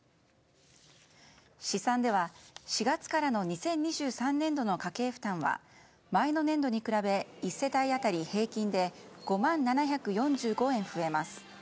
試算では４月からの２０２３年度の家計負担は前の年度に比べ１世帯当たり平均で５万７４５円増えます。